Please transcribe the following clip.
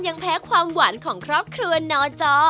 ยังแพ้ความหวานของครอบครัวนอจอ